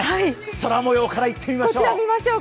空もようからいってみましょう。